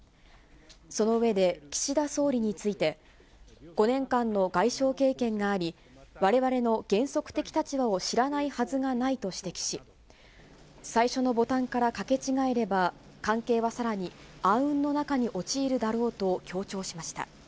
その上で、岸田総理について、５年間の外相経験があり、われわれの原則的立場を知らないはずがないと指摘し、最初のボタンからかけ違えれば、関係はさらに暗雲の中に陥るだろうと強調しました。